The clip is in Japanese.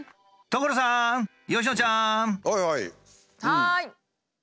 はい！